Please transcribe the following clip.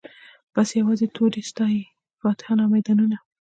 بس یوازي توري ستايی فاتحان او میدانونه